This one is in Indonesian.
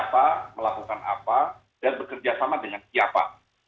siapa melakukan apa dan bekerja sama dengan siapa